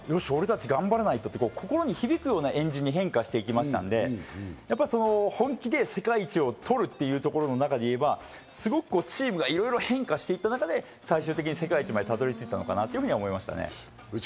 みんなが「あぁそうだ、俺たち頑張らないと」と心に響くような円陣に変化していきましたので、やっぱり本気で世界一を取るというところの中で言えば、すごくチームがいろいろ変化していった中で、最終的に世界一までたどり着いたのかなというふうに思いましたね。